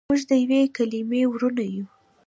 موږ دیوې کلیمې وړونه یو.